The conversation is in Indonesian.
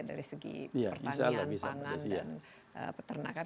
dari segi pertanian pangan dan peternakan